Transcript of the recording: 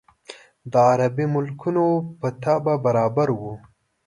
د عربي ملکونو په طبع برابره وه.